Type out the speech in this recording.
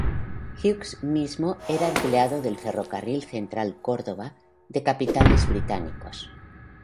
Hughes mismo era empleado del "Ferrocarril Central Córdoba", de capitales británicos.